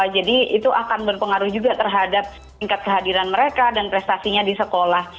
jadi itu akan berpengaruh juga terhadap tingkat kehadiran mereka dan prestasinya di sekolah